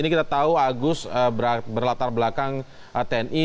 ini kita tahu agus berlatar belakang tni